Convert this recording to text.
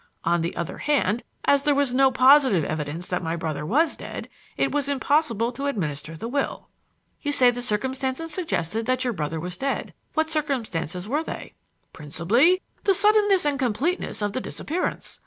On the other hand, as there was no positive evidence that my brother was dead, it was impossible to administer the will." "You say the circumstances suggested that your brother was dead. What circumstances were they?" "Principally the suddenness and completeness of the disappearance.